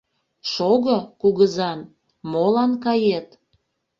Шого, кугызан, молан кает?